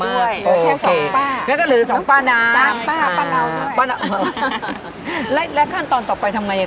เหลือแค่สองป้าแล้วก็เหลือสองป้าน้ำสามป้าป้าเนาป้าแล้วแล้วขั้นตอนต่อไปทำไง